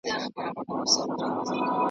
زړګیه نن مې د خپل درد پۀ خاطر